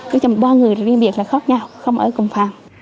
ví dụ ba người riêng việc là khác nhau không ở cùng phòng